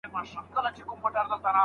همدارنګه ليکل شوې خبرې غږ ته بدلېږي.